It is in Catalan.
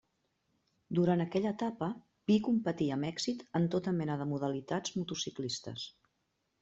Durant aquella etapa, Pi competia amb èxit en tota mena de modalitats motociclistes.